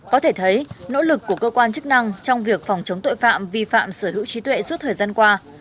có thể thấy nỗ lực của cơ quan chức năng trong việc phòng chống tội phạm vi phạm sở hữu trí tuệ suốt thời gian qua